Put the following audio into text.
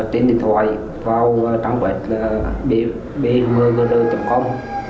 trên điện thoại vào trang web bmgr com